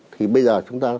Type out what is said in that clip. thì bây giờ chúng ta có thể